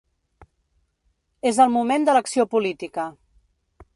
És el moment de l’acció política.